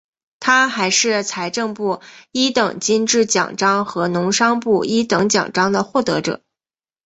他还是财政部一等金质奖章和农商部一等奖章的获得者。